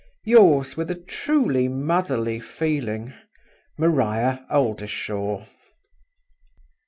"Yours, with a truly motherly feeling, "MARIA OLDERSHAW."